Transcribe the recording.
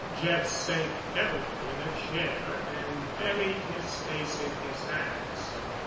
Jeff sank heavily in a chair and buried his face in his hands.